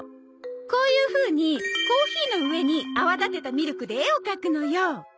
こういうふうにコーヒーの上に泡立てたミルクで絵を描くのよ。